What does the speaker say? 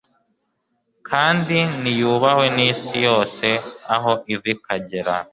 kandi niyubahwe n’isi yose aho iva ikagera